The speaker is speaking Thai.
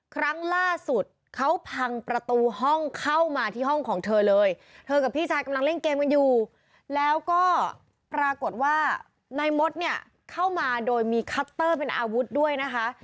ครั้งล่าสุดเขาพังประตูห้องเข้ามาที่ห้องของเธอเลยเธอกับพี่ชายกำลังเล่นเกมกันอยู่แล้วก็ปรากฏว่านายมดเนี่ยเข้ามาโดยมีคัตเตอร์เป็นอาวุธด้วยนะคะ